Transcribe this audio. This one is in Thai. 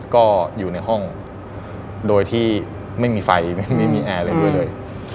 ก็อยู่ในห้องโดยที่ไม่มีไฟไม่มีแอร์อะไรด้วยเลย